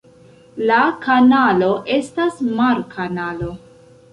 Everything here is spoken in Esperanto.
La kanalo estas mar-kanalo.